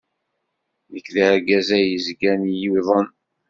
Nekk d argaz ay yezgan yuḍen.